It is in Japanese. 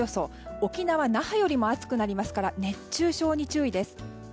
沖縄の那覇よりも暑くなりますから熱中症に注意です。